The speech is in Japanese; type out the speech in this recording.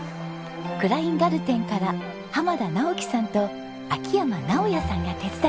クラインガルテンから濱田直樹さんと秋山直哉さんが手伝いに来てくれました。